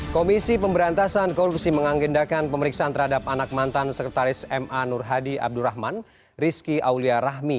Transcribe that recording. komisi pemberantasan korupsi mengagendakan pemeriksaan terhadap anak mantan sekretaris ma nur hadi abdurrahman rizky aulia rahmi